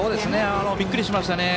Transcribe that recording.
びっくりしましたね。